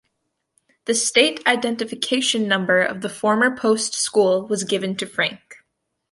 The state identification number of the former Post school was given to Frank.